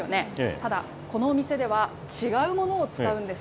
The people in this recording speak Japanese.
ただ、このお店では違うものを使うんです。